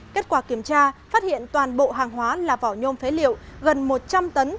kết quả kiểm tra phát hiện toàn bộ hàng hóa là vỏ nhôm phế liệu gần một trăm linh tấn